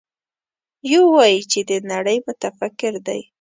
يو وايي چې د نړۍ متفکر دی.